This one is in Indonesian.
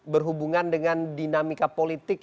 berhubungan dengan dinamika politik